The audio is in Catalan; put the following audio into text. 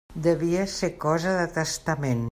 Devia ser cosa de testament.